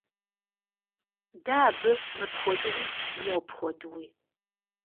Мы его и так и этак...